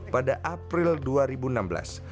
pemerintah kabupaten kulungan